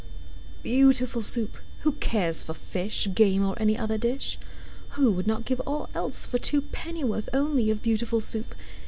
Beautiful Soup! Who cares for fish, Game, or any other dish? Who would not give all else for two Pennyworth only of Beautiful Soup?